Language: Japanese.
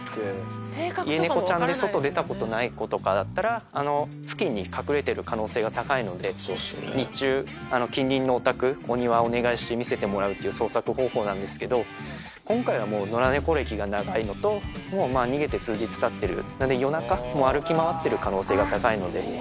家猫ちゃんで、外出たことない子とかだったら、付近に隠れてる可能性が高いので、日中、近隣のお宅、お庭をお願いして見せてもらうという捜索方法なんですけど、今回はもう、野良猫歴が長いのと、もう逃げて数日たってる、なんで、夜中も歩き回ってる可能性が高いので。